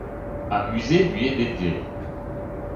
Un musée lui est dédié.